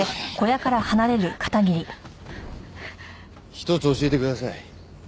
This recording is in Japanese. １つ教えてください。